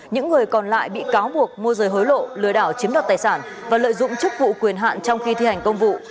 những người còn lại bị cáo buộc mua rời hối lộ lừa đảo chiếm đoạt tài sản và lợi dụng chức vụ quyền hạn trong khi thi hành công vụ